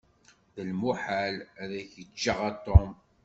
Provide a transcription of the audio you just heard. D lmuḥal ad k-ǧǧeɣ a Tom.